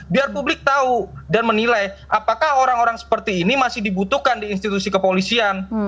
biar publik tahu dan menilai apakah orang orang seperti ini masih dibutuhkan di institusi kepolisian